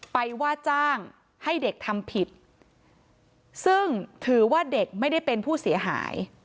ว่าจ้างให้เด็กทำผิดซึ่งถือว่าเด็กไม่ได้เป็นผู้เสียหาย